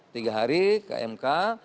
tiga hari ke mk